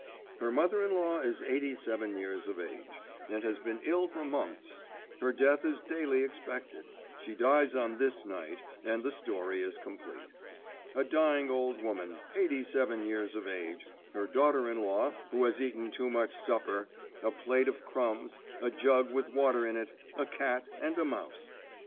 Her mother in law is eighty seven years of age, and has been ill for months; her death is daily expected. She dies on this night, and the story is complete. A dying old woman, eighty seven years of age, her daughter in law who has eaten too much supper, a plate of crumbs, a jug with water in it, a cat, and a mouse.